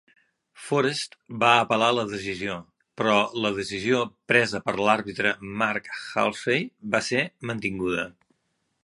Forest va apel·lar la decisió, però la decisió presa per l'àrbitre Mark Halsey va ser mantinguda.